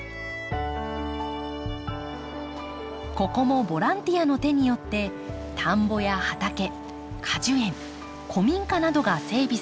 ここもボランティアの手によって田んぼや畑果樹園古民家などが整備されています。